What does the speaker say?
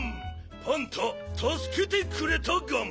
パンタたすけてくれたガン。